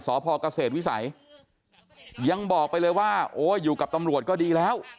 สพเกษตรวิสัยยังบอกไปเลยว่าโอ้อยู่กับตำรวจก็ดีแล้ว